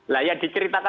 nah ya diceritakan saja